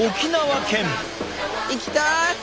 行きたい！